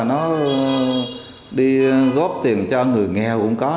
nó đi góp tiền cho người nghèo